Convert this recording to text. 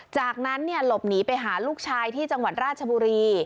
จากนั้นหลบหนีไปหาลูกชายที่จังหวัดราชบุรี